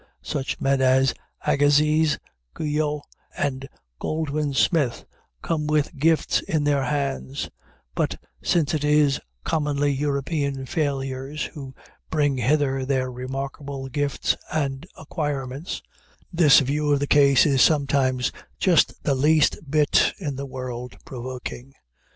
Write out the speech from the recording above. Such men as Agassiz, Guyot, and Goldwin Smith come with gifts in their hands; but since it is commonly European failures who bring hither their remarkable gifts and acquirements, this view of the case is sometimes just the least bit in the world provoking.